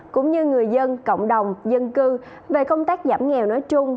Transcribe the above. cũng như người dân cộng đồng dân cư về công tác giảm nghèo nói chung